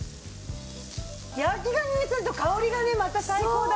焼きガニにすると香りがまた最高だもんね！